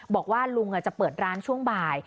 บอกว่าลุงจะเปิดร้านช่วงบ่าย